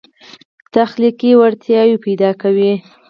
تخلیقي وړتیاوې پیدا کوي.